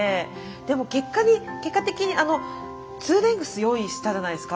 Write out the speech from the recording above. でも結果的にあのツーレングス用意したじゃないですか。